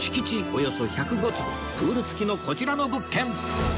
およそ１０５坪プール付きのこちらの物件